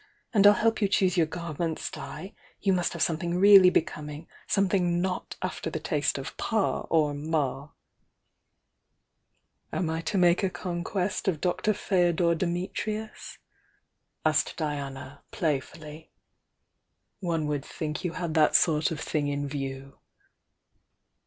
And I'll help you choose your garments, Di!— you must have something really becoming! — something not after the taste of 'Pa' or 'Ma!' " "Am I to make a conquest of Dr. Feodor Dimit THE YOUNG DIANA 85 nus?" asked Diana, playfully. "One would think you had that sort of thing in view!"